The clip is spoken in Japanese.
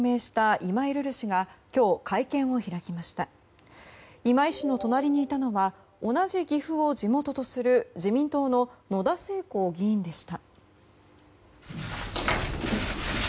今井氏の隣にいたのは同じ岐阜を地元とする自民党の野田聖子議員でした。